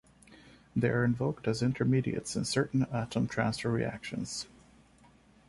They are invoked as intermediates in certain atom-transfer reactions.